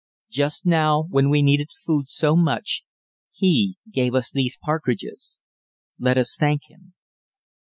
Just now when we needed food so much He gave us these partridges. Let us thank Him."